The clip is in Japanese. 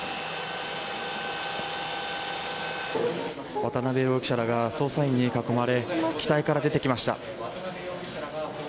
渡辺容疑者らが捜査員に囲まれ機体から出てきました。